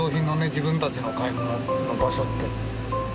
自分たちの買い物の場所って。